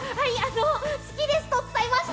好きですとお伝えしました。